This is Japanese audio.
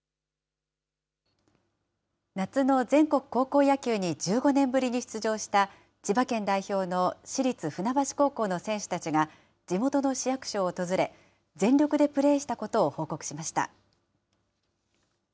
夏の全国高校野球に１５年ぶりに出場した千葉県代表の市立船橋高校の選手たちが地元の市役所を訪れ、全力でプレーしたことを報告しました。